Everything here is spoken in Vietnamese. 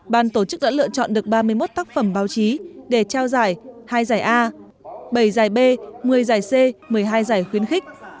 ban tổ chức đã lựa chọn được ba mươi một tác phẩm báo chí để trao giải hai giải a bảy giải b một mươi giải c một mươi hai giải khuyến khích